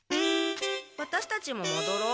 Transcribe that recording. ワタシたちももどろう。